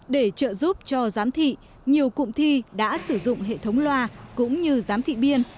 để trợ giúp cho giám thị nhiều cụm thi đã sử dụng hệ thống loa cũng như giám thị biên